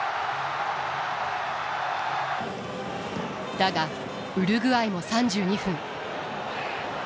だがウルグアイも３２分。